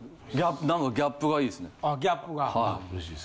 何かギャップがいいですねはい。